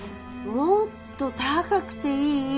もっと高くていい！